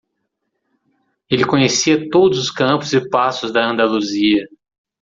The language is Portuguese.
Ele conhecia todos os campos e pastos da Andaluzia.